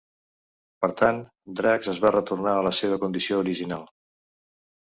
Per tant, Drax es va retornar a la seva condició original.